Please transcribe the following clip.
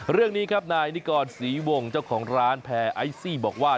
เรื่องนี้ครับนายนิกรศรีวงเจ้าของร้านแพรไอซี่บอกว่า